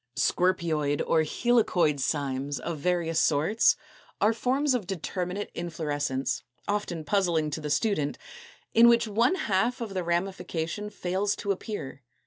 225. =Scorpioid= or =Helicoid Cymes=, of various sorts, are forms of determinate inflorescence (often puzzling to the student) in which one half of the ramification fails to appear.